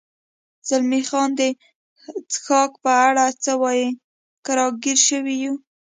زلمی خان: د څښاک په اړه څه وایې؟ که را ګیر شوي یو.